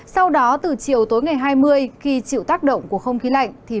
sau đó từ chiều tối ngày hai mươi khi chịu tác động của không khí lạnh